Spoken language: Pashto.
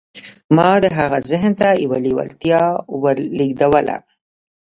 ما د هغه ذهن ته يوه لېوالتیا ولېږدوله.